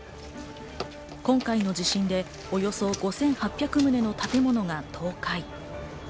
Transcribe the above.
今回の地震でおよそ５８００棟の建物が倒壊。